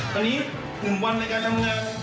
ตอนนี้๑วันในการทำงาน